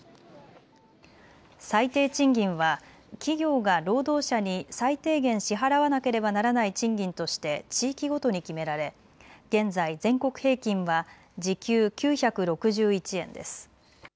最低賃金は企業が労働者に最低限支払わなければならない賃金として地域ごとに決められ現在、全国平均は時給９６１円です。